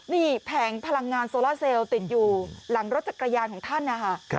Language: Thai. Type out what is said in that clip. นี่แผงพลังงานโซล่าเซลติดอยู่หลังรถจักรยานของท่านนะคะ